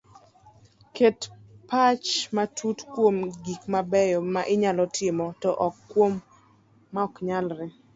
Ket pach matut kuom gik mabeyo ma inyalo timo to ok kuom ma oknyalre